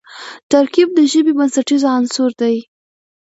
ترکیب د ژبي بنسټیز عنصر دئ.